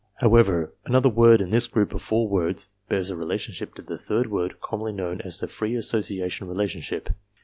However, another word in this group of four words bears a relationship to the third word commonly known as the "free association relationship."